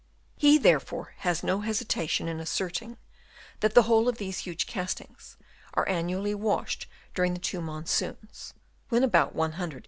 He therefore has no hesitation in asserting that the whole of these huge castings are annually washed during the two monsoons (when u 2 278 DENUDATION OF THE LAND Chap.